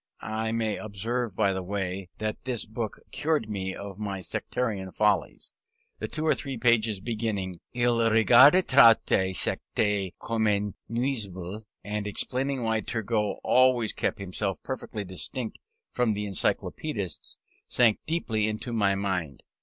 I may observe by the way that this book cured me of my sectarian follies. The two or three pages beginning "Il regardait toute secte comme nuisible," and explaining why Turgot always kept himself perfectly distinct from the Encyclopedists, sank deeply into my mind.